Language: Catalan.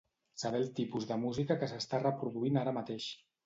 Saber el tipus de música que s'està reproduint ara mateix.